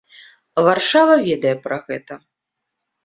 Варшава ведае пра гэта.